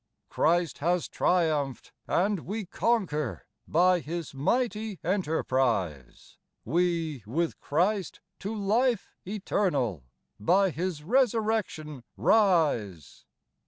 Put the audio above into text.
Christ has triumphed, and we conquer By His mighty enterprise ■ We, with Christ to life eternal, By His resurrection rise.